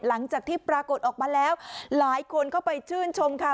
หลังจากที่ปรากฏออกมาแล้วหลายคนเข้าไปชื่นชมค่ะ